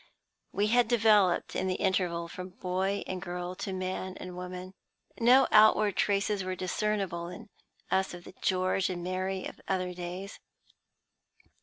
We had developed, in the interval, from boy and girl to man and woman: no outward traces were discernible in us of the George and Mary of other days.